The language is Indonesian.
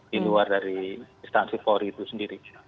di luar dari instansi polri itu sendiri